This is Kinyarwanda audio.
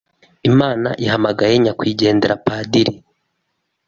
Imana ihamagaye Nyakwigendera Padiri